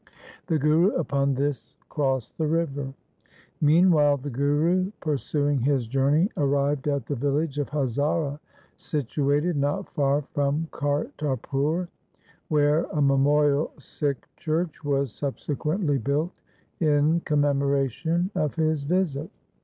The Guru upon this crossed the river. 1 Meanwhile the Guru pursuing his journey arrived at the village of Hazara situated not far from Kartarpur, where a memorial Sikh church was sub sequently built in commemoration of his visit.